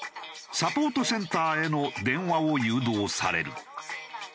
サポートセンターへの電話を誘導される。